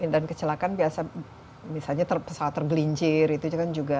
dan kecelakaan biasanya misalnya tergelincir itu juga